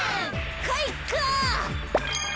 かいか！